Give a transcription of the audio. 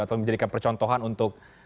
atau menjadikan percontohan untuk